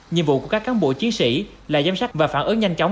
nhiệm vụ của các cán bộ chiến sĩ là giám sát và phản ứng nhanh chóng